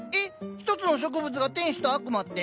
ひとつの植物が天使と悪魔って？